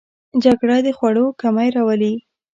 جګړه د خوړو کمی راولي